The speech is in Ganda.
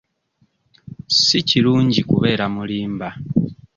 Si kirungi kubeera mulimba.